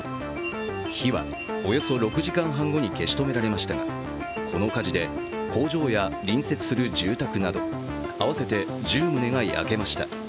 火はおよそ６時間半後に消し止められましたがこの火事で工場や隣接する住宅など合わせて１０棟が焼けました。